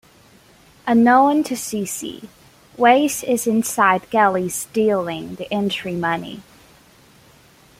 Unknown to Sissy, Wes is inside Gilley's stealing the entry money.